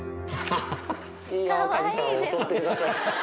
いいよ、カズさん、襲ってください。